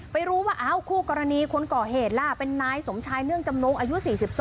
ไม่รู้ว่าอ้าวคู่กรณีคนก่อเหตุล่ะเป็นนายสมชายเนื่องจำนงอายุ๔๒